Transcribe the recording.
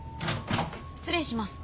失礼します。